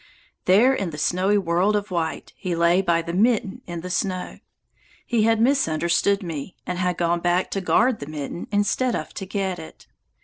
There in the snowy world of white he lay by the mitten in the snow. He had misunderstood me, and had gone back to guard the mitten instead of to get it.